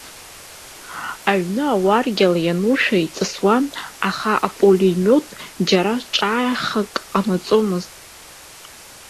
Аҩны ауаргьала ианушәа иҵысуан, аха апулемиот џьара ҿааихак ҟанаҵомызт.